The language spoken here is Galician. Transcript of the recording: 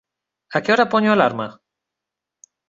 A que hora poño a alarma?